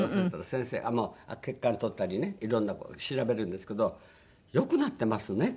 先生血管採ったりねいろんな事調べるんですけど「良くなってますね」。